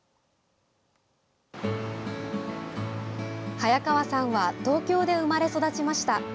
早川さんは東京で生まれ育ちました。